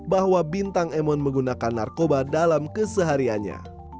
bahwa bintang emon menggunakan narkoba dalam kesehariannya